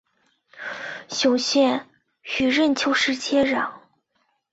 雄县与任丘市接壤。